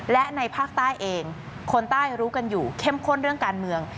และในภาคใต้เองคนใต้รู้กันอยู่เข้มข้นเรื่องการเมือง